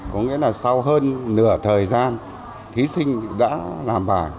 có nghĩa là sau hơn nửa thời gian thí sinh đã làm bài